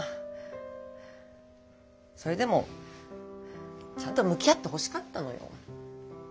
それでもちゃんと向き合ってほしかったのよ。